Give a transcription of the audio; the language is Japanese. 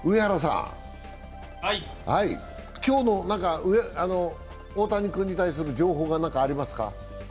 今日の大谷君に対する情報が何かありますか。